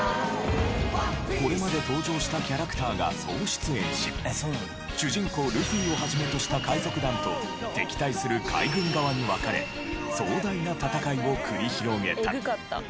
これまで登場したキャラクターが総出演し主人公ルフィを始めとした海賊団と敵対する海軍側に分かれ壮大な戦いを繰り広げた。